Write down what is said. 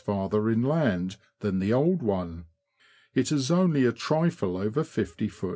farther inland than the old one. It is only a trifle over 50ft.